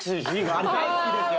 あれ大好きですよ。